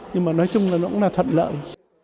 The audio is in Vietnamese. nhưng mà nói chung là nó cũng là thuận lợi